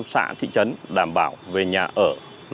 một trăm linh xã thị trấn đảm bảo về nhà ở doanh trại cho các cơ sở